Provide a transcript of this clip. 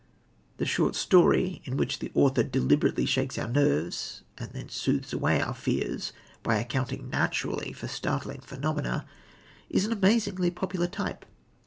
The short story, in which the author deliberately shakes our nerves and then soothes away our fears by accounting naturally for startling phenomena, is an amazingly popular type.